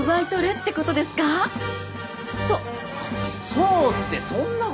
「そう」ってそんな事。